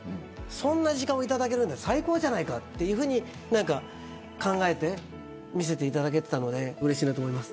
そんな時間をいただけるなんて最高じゃないかと考えて見せていただいていたのでうれしいなと思います。